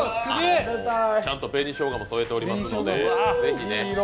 ちゃんと紅しょうがも添えていますので。